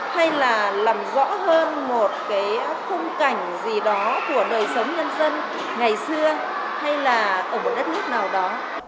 hay là làm rõ hơn một cái khung cảnh gì đó của đời sống nhân dân ngày xưa hay là ở một đất nước nào đó